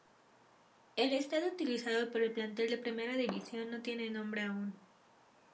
El estadio utilizado por el plantel de primera división no tiene nombre aún.